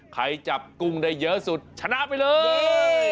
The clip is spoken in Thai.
ใครจับกุ้งได้เยอะสุดชนะไปเลย